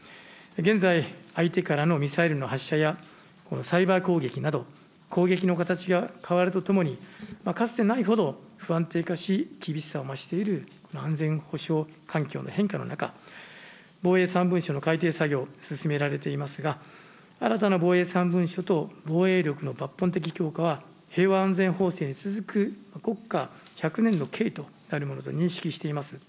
現在、相手からのミサイルの発射や、サイバー攻撃など、攻撃の形が変わるとともに、かつてないほど不安定化し、厳しさを増している安全保障環境の変化の中、防衛三文書のかいてい作業、進められていますが、新たな防衛三文書と防衛力の抜本的強化は、平和安全法制に続く国家１００年の計となるものと認識をしています。